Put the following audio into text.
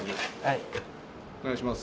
お願いします。